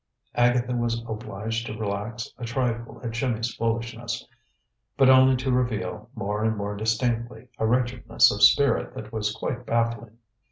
Agatha was obliged to relax a trifle at Jimmy's foolishness, but only to reveal, more and more distinctly, a wretchedness of spirit that was quite baffling.